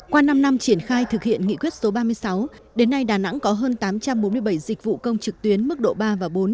qua năm năm triển khai thực hiện nghị quyết số ba mươi sáu đến nay đà nẵng có hơn tám trăm bốn mươi bảy dịch vụ công trực tuyến mức độ ba và bốn